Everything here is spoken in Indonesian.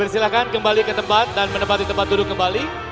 silahkan kembali ke tempat dan menempati tempat duduk kembali